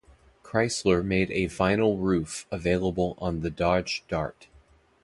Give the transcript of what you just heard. Chrysler made a vinyl roof available on the Dodge Dart.